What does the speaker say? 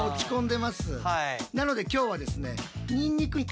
なので今日はですね